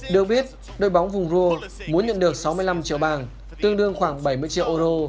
được biết đội bóng vùng rua muốn nhận được sáu mươi năm triệu bảng tương đương khoảng bảy mươi triệu euro